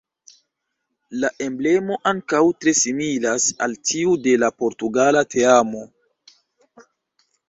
La emblemo ankaŭ tre similas al tiu de la portugala teamo.